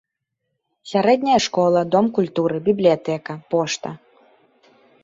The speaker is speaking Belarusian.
Сярэдняя школа, дом культуры, бібліятэка, пошта.